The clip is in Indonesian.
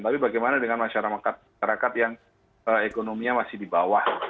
tapi bagaimana dengan masyarakat masyarakat yang ekonominya masih di bawah